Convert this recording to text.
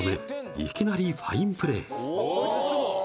いきなりファインプレーおおー